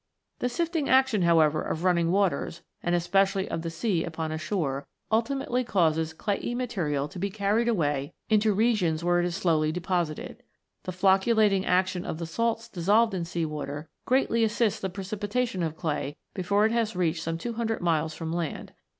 The sifting action, however, of running waters, and especially of the sea upon a shore, ultimately causes clayey matter to be carried away into regions 88 ROCKS AND THEIR ORIGINS [OH. where it is slowly deposited. The flocculating action of the salts dissolved in sea water greatly assists the precipitation of clay before it has reached some two hundred miles from land.